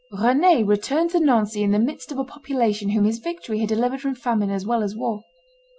Rend returned to Nancy in the midst of a population whom his victory had delivered from famine as well as war.